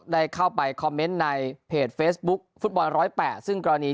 ได้เข้าไปคอมเมนต์ในเพจเฟซบุ๊คฟุตบอล๑๐๘ซึ่งกรณี